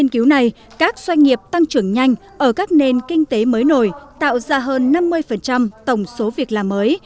nghiên cứu này các doanh nghiệp tăng trưởng nhanh ở các nền kinh tế mới nổi tạo ra hơn năm mươi tổng số việc làm mới